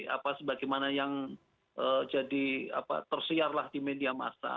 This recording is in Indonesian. apa sebagaimana yang jadi apa tersiarlah di media masa